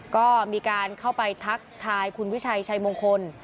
ก็มีการเข้าไปทักทายคุณวิชัยชัยมงคล